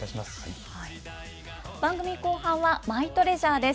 番組後半はマイトレジャーです。